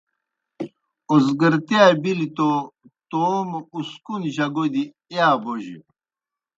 اوزگرتِیا بِلیْ توْ توموْ اُسکون جگو دیْ اِیا بوجہ۔